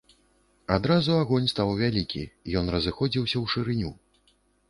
Адразу агонь стаў вялікі, ён разыходзіўся ў шырыню.